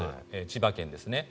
千葉県ですね。